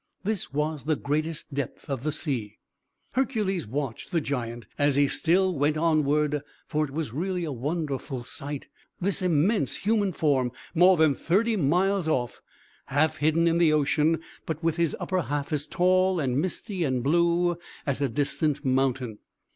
This was the greatest depth of the sea. Hercules watched the giant as he still went onward; for it was really a wonderful sight, this immense human form, more than thirty miles off, half hidden in the ocean, but with his upper half as tall, and misty, and blue as a distant mountain.